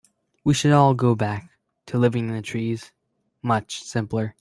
We should all go back to living in the trees, much simpler.